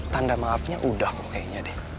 tanda maafnya udah kok kayaknya deh